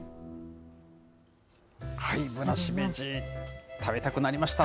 ぶなしめじ、食べたくなりました。